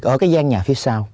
ở cái gian nhà phía sau